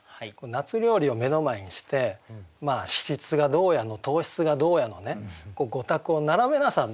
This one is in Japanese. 夏料理を目の前にして脂質がどうやの糖質がどうやのね御託を並べなさんなと。